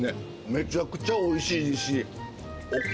めちゃくちゃおいしいし。